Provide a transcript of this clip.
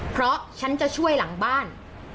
เพราะฉันจะช่วยหลังบ้าน